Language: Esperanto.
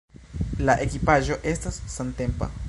La ekipaĵo estas samtempa.